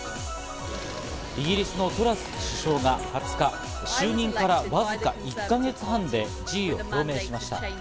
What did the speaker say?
イギリスのトラス首相が２０日、就任からわずか１か月半で辞意を表明しました。